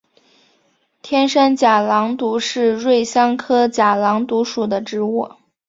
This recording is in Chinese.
天山假狼毒是瑞香科假狼毒属的植物。